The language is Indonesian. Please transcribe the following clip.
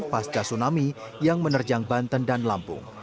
pasca tsunami yang menerjang banten dan lampung